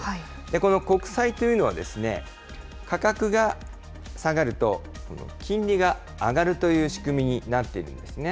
この国債というのはですね、価格が下がると、金利が上がるという仕組みになっているんですね。